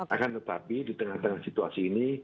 akan tetapi di tengah tengah situasi ini